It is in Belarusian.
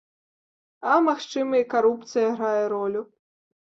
А магчыма, і карупцыя грае ролю.